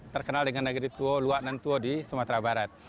terkenal dengan negeri tua luwak dan tua di sumatera barat